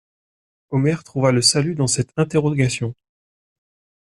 Omer trouva le salut dans cette interrogation.